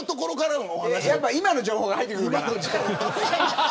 やっぱり今の情報が入ってくるから。